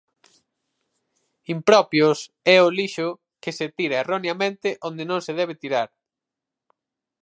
Impropios é o lixo que se tira erroneamente onde non se debe tirar.